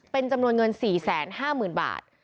เป็นจำนวนเงิน๔๕๐๐๐บาท